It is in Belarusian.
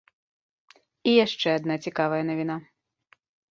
І яшчэ адна цікавая навіна.